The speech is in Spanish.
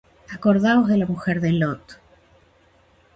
Acordaos de la mujer de Lot.